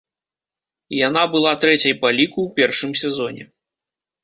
Яна была трэцяй па ліку ў першым сезоне.